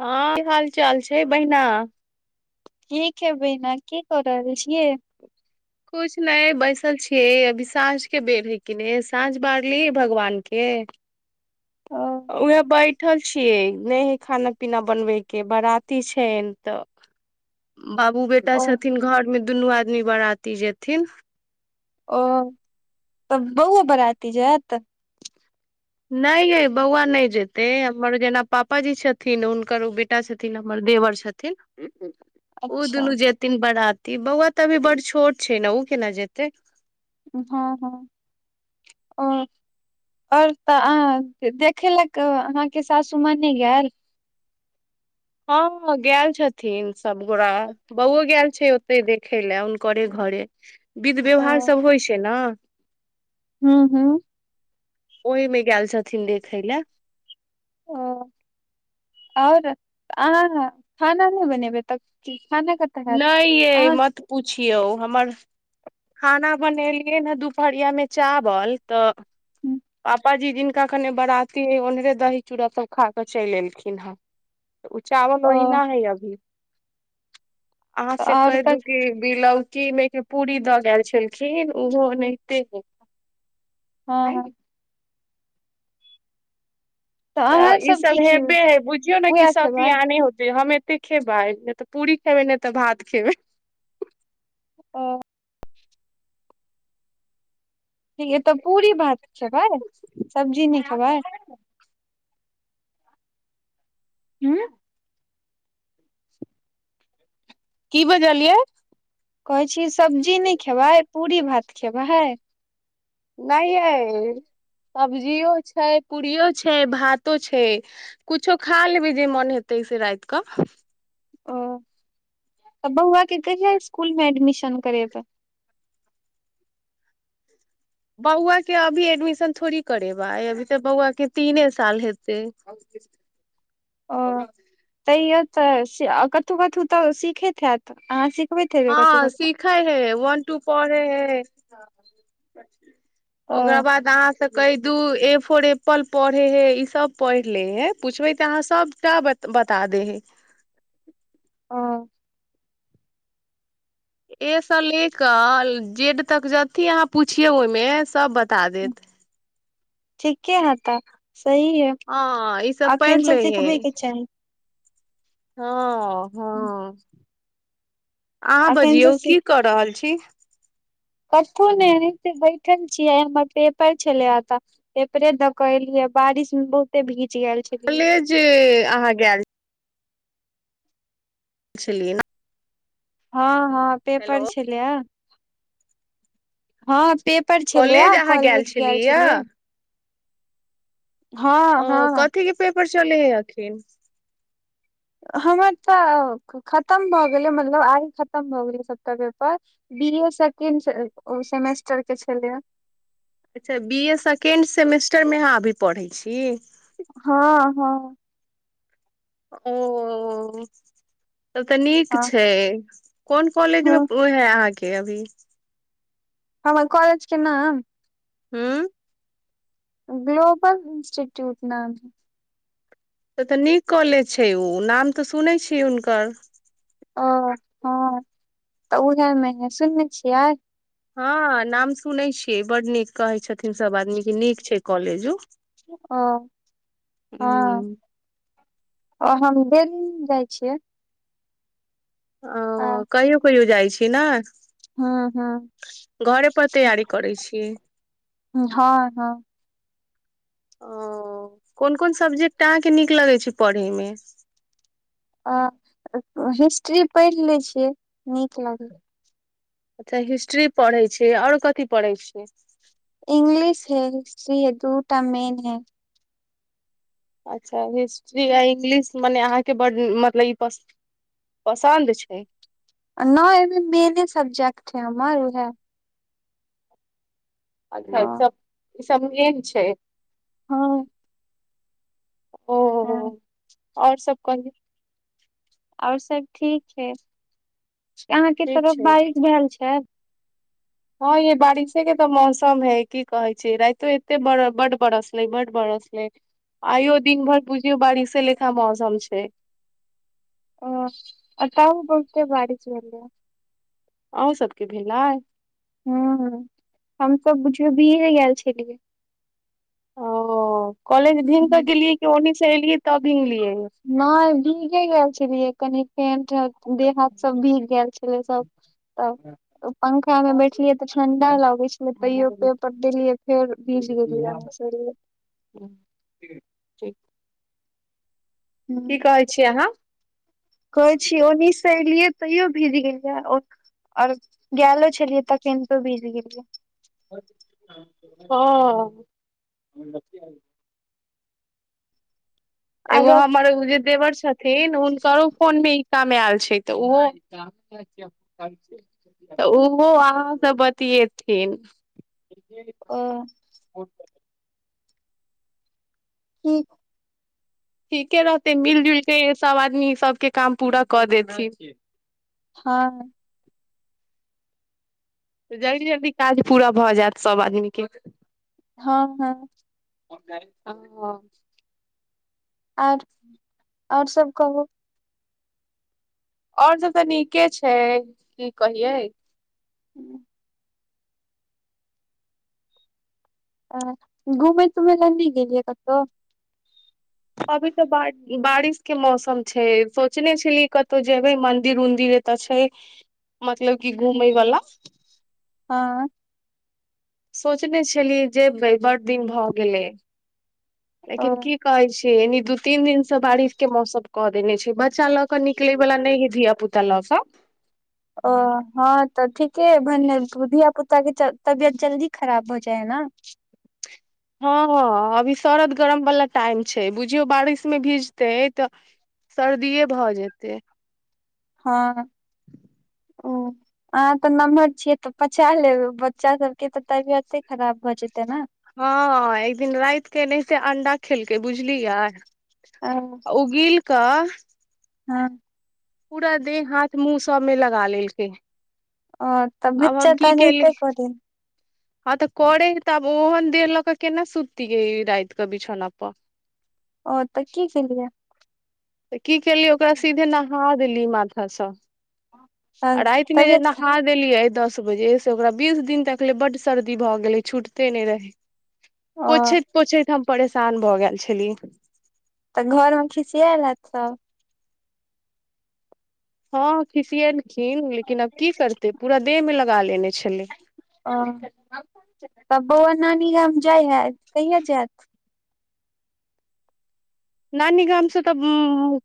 हँ की हाल चाल छै बहिना ठीक छै बैहिना की कर रहल छियै कुछ नहि बैसल छियै अभी साँझ के बेर है कि ने साँझ बारली भगवान के ओ उहे बैठल छियै नहि हे खाना पीना बनबे के बराती छैन तऽ बाबू बेटा ओ छथिन घर मे दुनू आदमी बारती जेथिन ओ तऽ बौओ बराती जायत नहि ये बौआ नहि जेते हमर जेना पापाजी छथिन हुनकर ओ बि टा छथिन हमर देवर छथिन [inaudible] ओ दुनू जेथिन बराती बौआ तऽ अभी बड़ छोट छै ने ओ केना जेतै हँ हँ ओ और तऽ अहाँ देखेलक अहाँके सासु माँ ने गेल हँ गेल छथिन सबगोरा बौओ गेल छै ओते देखै लए हुनकरे घरे विध ओ व्यवहार सब होइ छै न हूँ हूँ ओहिमे गेल छथिन देखै लै ओ आओर अहाँ खाना नहि बनेबै तब खाना की नइ ये मत पुछियौ हमर खाना बनेलियै ने दुपहरिया मे चावल तऽ पाप जी जिनका कनि बराती है उन्हरे दही चूड़ा सब खाके चैल एलखिन हे ओ चावल ओ ओहिना है अभी अहाँ से आओर कहि तऽ दू की बीलौकी में पूरी दऽ गेल छलखिन ओहो एनाहिते ह हँ हँ तऽ अहाँ ई की सब खेबै हेबे है बुझियौ ने कि उएह सब खेबै बिआन होते हमे कते खेबै नहि तऽ पूरी खेबै नहि तऽ भात खेबै ओ तऽ पूरी भात खेबै सब्जी नहि खेबै? हँ की बजलियै कहै छी सब्जी नहि खेबै पूरी भात खेबै है। नहि यइ सब्जियो छै। पूड़ियो छै। भातो छै। कुछो खा लेबै जे मन हेतै से रात कऽ ओ तऽ बौआ के कहिया स्कूल मे एडमिशन करेत? बौआ के अभी एडमिशन थोड़ी करेबै अभी तऽ बौआ के तीने साल हेतै। ओ तैयौ तऽ कतहु कतहु तऽ सिखैत हत, अहाँ सिखबैत हेबै कतहु कतहु। लिखऽ ह, वन टू पढ़ै ह, ओ ओकरा बाद अहाँ। तऽ कै, दू ए, फोर एप्पल पढ़े ह, ई सब पढ़ि ले ह। पूछबै तऽ अहाँ सबटा बता। बता दे है ह एस ले कऽ जेड तक जथ, अहाँ पूछियौ, ओहिमे सबटा बता। त देत ठीके ह तऽ सही ह, हँ ई सब पढ़ि अखन से ले हे सिखबे के चाही। हँ हँ अहाँ अखन से बजियौ की क रहल छी। कखू ने बैठल छिय एमे पेपर चलिया त एपरे तऽ कहलिये बारिश में बहुते भीज गेल छै। के जे अहाँ गेल छलीऐ हँ हँ पेपर हेलो छलै आ हँ पेपर छलैए कॉलेज गेल छलियै। हँ ओ हँ कथे पेपर चल हइ अखिर हमर तऽ खतम भऽ गेलै मतलब आइ खतम भऽ गेलै सभटा paper B A second semester के छलै। अच्छा बी ए सेकेंड सेमेस्टरमे अहाँ अभी पढ़ैत छी? हँ हँ ओ सभ तऽ नीक हँ छै। कोन कॉलेज मे हँ है आहाँके अभी? हमर कॉलेज के नाम? हँ ग्लोबल इन्स्टिट्यूट नाम। तऽ तऽ नीक कॉलेज छै। ओ नाम तऽ सुनैत छी। हुनकर ओ हँ तऽ उह मे ने सुनने छियै। हँ नाम सुनै छियै। बड नीक कहै छथिन सभ आदमी कि नीक छै। कॉलेज ओ ओ हँ हूँ ओ हम देल जाइ छियै। आ ओ कहियो कहियो जाइ छी ने? हँ हँ घरे पर तैयारी करै छियै? हँ हँ ओ कोन कोन सब्जेक्ट अहाँकेँ नीक लगैत छै पढ़यमे? आ हिस्ट्री पढ़ि लै छियै, नीक लागै। अच्छा हिस्ट्री पढ़ैत छिय आओर कथी पढ़ैत छियै? इंग्लिश है हिस्ट्री है दूटा मेन है। अच्छा, हिस्ट्री आ इंग्लिश मने अहाँके बड्ड मतलब ई पश पसन्द छै। नहि एहिमे मेने सब्जेक्ट छै। हमर उएह अच्छा, हँ सभ ई समझे ने छै। हँ हँ और सब कही आओर सब ठीक छै यहााँके ठीक तरफ छै बारिश भेल छै हँ ये बारिशे के तऽ मौसम है की कहै छी रातो एते बड बरस ले बड बरस ले आइयो दिन भर बुझियो बारिशे लेखा मौसम छै आ तउ बहुते बारिशल आय अहुँ सबके भेलै अय हुँ हमस बुझिय भी गेल छलि ओ कॉलेज भींग कऽ गेलियै कि ओन्हिस एऐलियै तब भींगलियै नहि भीगे गेल छलियै कनि फेन देह हाथ सब भीग गेल छलै सब तऽ पंखा मे बैठलियै तऽ ठंडा लगे छलै तैयो पेपर देलियै फेर भीज गेलियै छलिए ठीक हुँ की कहै छी अहाँ कहै छीय ओनी सँ एलियए तैयो भीज गेलिय और गो छलियै तखेन तो भीज गेलियै हँ एगो आरो हमर जे देवर छथिन हुनकरो फोन मे ई काम आयल छै तऽ ओहो तऽ ओहो अहाँ सब बतिेयेथिन ओ की ठीके रहते मिल जुलके सब आदमी सबके काम पूरा कऽ देथिन हँ जल्दी जल्दी काज पूरा भऽ जायत सभ आदमीके हँ हँ हँ ह आओर आओर सब कहबू और सब तऽ नीके छै की कहियै हूँ [unintelligible] आ घूमै तुमे ल नहि गेलयै कतऽहु अभी तऽ ब बारिश के मौसम छै सोचने छलियै कतहु जेबै मंदिर उदिर एतऽ छै [unintelligible] मतलब की घुमय वाला हँ सोचने छलीय जेबै बड दिन भऽ गेलै ओ लेकिन की कहै छै ए दू तीन दिन से बारिश के मौसम कऽ देने छै बच्चा लग निकलै बला नहि ह धिया पुता लक ओ हँ तऽ ठीके भने धिया पुता ताक तबियत जल्दी खराब हो जाए ने हँ हँ अभी शरद गरम वाला टाइम छै बुझियौ बारिश मे भीजतै तऽ सर्दिे भऽ जेतै हँ ओ [unintelligible] आहाँ तऽ नम्हर छियै तऽ पचा लेब बच्चा सबके तऽ तबियते खराब भऽ जेते ने हँ एक दिन रात के एना से अंडा खेलकै बुझलियै ओ उगील क हँ पुरा देह हाथ मुँह सब में लगा लेलकै ओ तऽ आब बच्चा हम तऽ की ऐनाहिं केली ते करै हँ तऽ करे ह तऽब ओहन देर लऽ क केना सुततीै राात कऽ बिछोना पर और तऽ की केलियै? तऽ की केलिी ओकरा सीधे नहा देली माथा सं। आ राइत मे जे तबियत नहा देलियै दस बजे से ओकरा बीस दिन तकले बड सर्दी भऽ गेलै छूटते नहि रहय। ओ पोछैत पोछैत हम परेशान भऽ गेल छली। तऽ घर मे खिसियाल हैत सब? हँ खिसियेलखिन लेकिन आब की करतय पूरा देह मे लगा लेने छलै। ओ त बउआ नानी गाम जाइ हैत कहिया जायत? नानी गाम से तऽ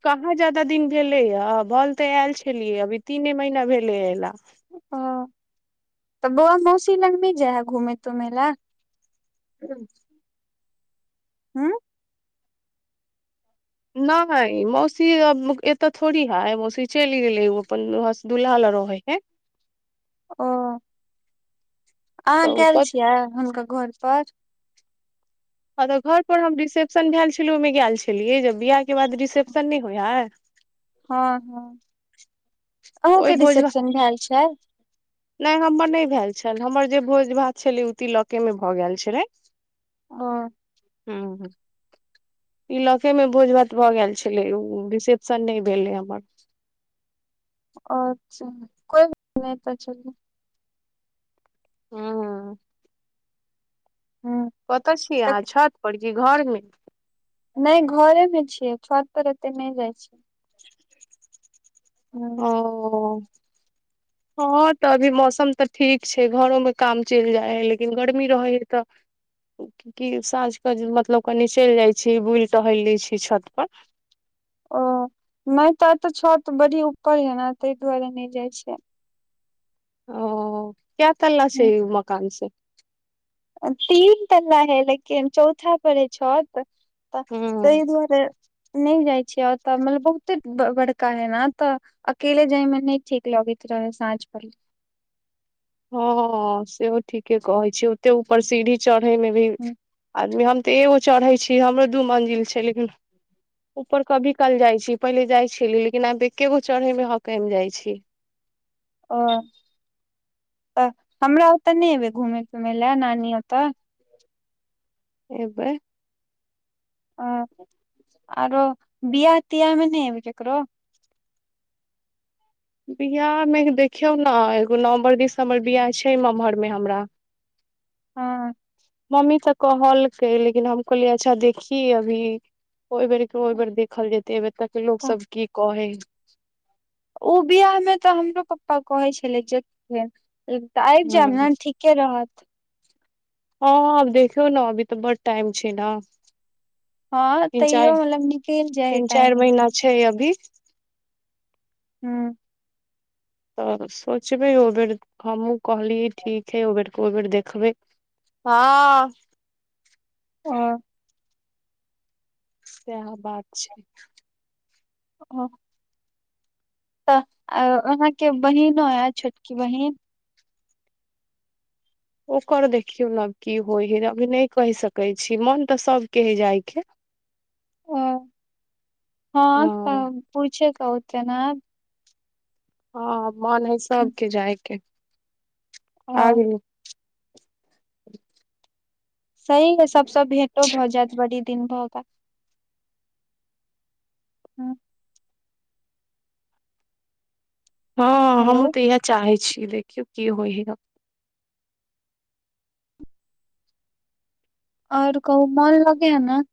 कहाँ ज्यादा दिन भेलैया भल तऽ आयल छलियै अभी। तीने महिना भेलै अइला। ओ तऽ बौआ मौसी लग मे जाय है घुमे तुमे ला? [unintelligible] हु नहि मौसी एतऽ थोड़ी है मौसी चलि गेले उ अपन दुूल्हा ल रहै हय। ओ आहाँ तऽ ओ गेल कत- छियै हुनका घर पर? हँ तऽ घर पर हम रिसेप्शन भेल छलै ओहिमे गेल छलियै जब बिियाह के बाद रिसेप्शन नहि होय हा? हँ हँ अहूँं ओहि के भोज भात रिसेप्शन भेल छैल? नहि हमर नहि भेल छल हमर जे भोज भात छलै ओ तिलॉके मे भऽ गेल छलै। ओ हँ इलॉके में भोज भात भऽ गेल छलै ओ रिसेप्शन नहि भेलै हमर। अच्छा कोइात नहि त चलू। ह हँ हूँ कतय छीयै तऽ अहाँ छत पर की घरमे? नहि घरे मे छियै छत पर एते नहि जाइ छियै। हूँ ओ हँ तऽ अभी मौसम तऽ ठीक छैय घरो में काम चलि जाय हय लेकिन गर्मी रहे है तऽ क साँझ क मतलब कनी चलि जाइ छी बुलि टहलि लैत छी छत पर। ओ नै तऽ तऽ छत बड़ी ऊपर य ने ताहि दुआरे नहि जाइ छीयै। ओ कय तल्ला हूँ छैय मकान से? तीन तला हय लेकिन चौथा पर हय छत। तऽ हँ ताहि दुआरे नहि जाइ छियै ओतय मतलब बहुते बड़का हइ ने तऽ अके जाइ म नहि ठीक लगैत रहै सााँझ परली। हँ सेहो ठीके कहै छी ओते ऊपर सीढ़ी चढ़े मे भी आदमी हम तऽ एगो चढ़ै छी हमरो दू मंजिल छैय लेकिन ऊपर कभी कल जाइ छी पहिले जाय छेली लेकिन आब एकेगो चढ़े मे हकम जाइ छी। ओ त हमरा ओतऽ नहि एबय घुमे तुमे लए नानी ओतऽ। एबै अ आरो बियाह तियाहमें नहि एबै केकरो? बिआहमे देखियौ ने एगो नवम्बर दिसम्बर बिआाह छैय नमहरमे हमरा। हँ मम्मीसँ कहलकै लेकिन हम कहलियै अच्छा देखी अभी। ओहि बेर ओहि बेर देखल जेतै। एब तक के लोकोग तऽ सब की कहय? ओ बियाह मे तऽ हमरो पप्पा कहै छलै आबि जायब ह ने ठीक के रहत। हँ अब देखियौ ने अभी तऽ बड टाइम छैय ने। हँ तीन चारि तैयो मतलब निकलि जाए हय तीन चारि टाइम इ महीना छै अभी हूँ तऽ सोचबै ओ बेर हमहुँ कहली ठीक हइ ओ बेर को बेड़ देखबै हँ ओ सेहा बात छै ओ तऽ आहाँ के बहिनो यऽ छोटकी बहिन ओकर देखियौ न की होय हय अभी नइ कहि सकै छी मन तऽ सबके हइ जाय के ओ हँ पूछे क ओते न अब हँ मन है सबके जायके आ अ गेली सही म सबसँ भेंटो भऽ जायत बड़ी दिन भऽ गैल गेल हँ हेलो हमहुँ तऽ इहै चाहे छिये देखियौ की होइ हइ अब आओर कहू मोन लगे ह नऽ